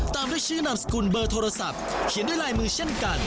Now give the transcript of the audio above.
ตามด้วยชื่อนามสกุลเบอร์โทรศัพท์เขียนด้วยลายมือเช่นกัน